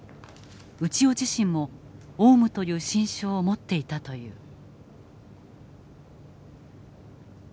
内尾自身もオウムという心証を持っていたという。